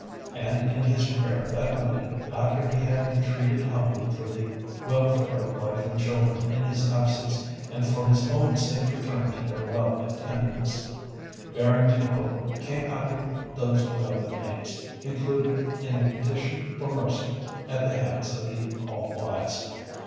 And in his prayer that night, after he had entreated humbly for the welfare of wife and children in his absence, and for his own safe return to their love and tenderness, Barrington Hope came after those beloved names, included in a petition for mercy at the hands of the All wise.